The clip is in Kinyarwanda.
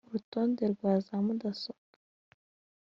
Urutonde rwa za mudasobwa